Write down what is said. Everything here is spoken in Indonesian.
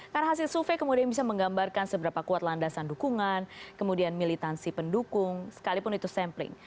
karena hasil survei kemudian bisa menggambarkan seberapa kuat landasan dukungan kemudian militansi pendukung sekalipun itu sampling